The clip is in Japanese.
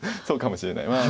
そうかもしれない。